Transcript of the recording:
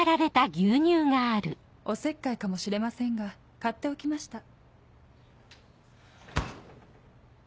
「お節介かもしれませんが買っておきました」。